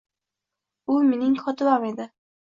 U mening kotibam edi